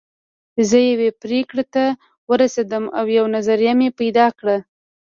زه يوې پرېکړې ته ورسېدم او يوه نظريه مې پيدا کړه.